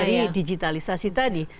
dari digitalisasi tadi